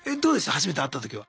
初めて会った時は。